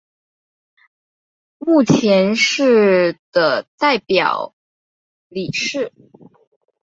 目前是的代表理事。